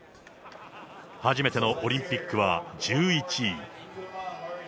初めてのオリンピックは１１位。